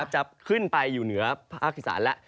จะขึ้นไปอยู่เหนือภาคอีสานแล้ว